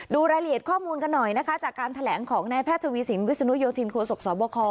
ดูรายละเอียดข้อมูลกันหน่อยนะคะจากการแถลงของนายแพทย์ทวีสินวิศนุโยธินโคศกสบค